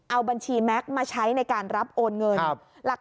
เอาบัญชีแม็กซ์มาใช้ในการรับโอนเงิน